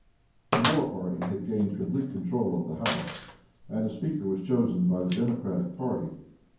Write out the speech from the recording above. The war party had gained complete control of the House, and a speaker was chosen by the Democratic party.